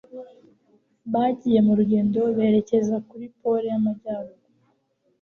Bagiye mu rugendo berekeza kuri Pole y'Amajyaruguru.